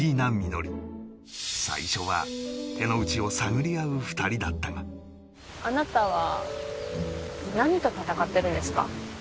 最初は手の内を探り合う２人だったがあなたは何と戦ってるんですか？